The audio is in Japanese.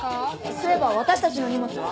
そういえば私たちの荷物は？